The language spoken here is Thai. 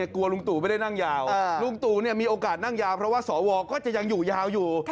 กลัวลุงตู่ไม่ได้นั่งยาวลุงตู่มีโอกาสนั่งยาวเพราะว่าสวก็จะยังอยู่ยาวอยู่